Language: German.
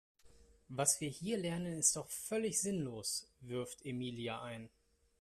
Was wir hier lernen ist doch völlig sinnlos, wirft Emilia ein.